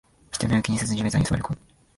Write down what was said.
人目を気にせず地べたに座りこむ